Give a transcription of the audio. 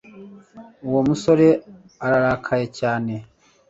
uwo musore ararakaye cyane